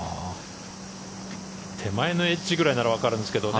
手前のエッジぐらいならわかるんですけどね